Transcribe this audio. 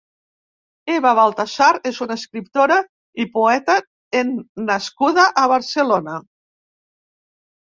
Eva Baltasar és una escriptora i poeta en nascuda a Barcelona.